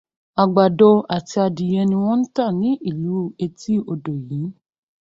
Àgbàdo àti adìyẹ ni wọn ń tà ní ìlú etí odò yìí.